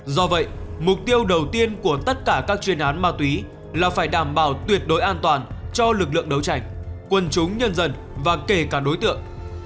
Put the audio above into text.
do vậy mục tiêu đầu tiên của tất cả các chuyên án ma túy là phải đảm bảo tuyệt đối an toàn cho lực lượng đấu tranh quân chúng nhân dân và kể cả đối tượng